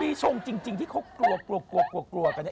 อันนี้ชงจริงที่เขากลัวกัน